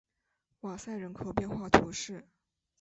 瓦塞人口变化图示